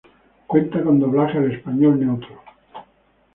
Cuenta con doblaje al español neutro.